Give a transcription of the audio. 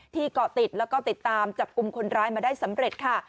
เกาะติดแล้วก็ติดตามจับกลุ่มคนร้ายมาได้สำเร็จค่ะ